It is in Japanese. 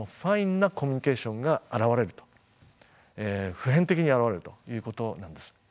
普遍的に現れるということなんです。